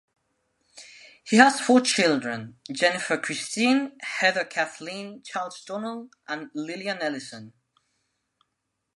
He has four children, Jennifer Christine, Heather Kathleen, Charles Donald, and Lillian Ellison.